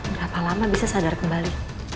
berapa lama bisa sadar kembali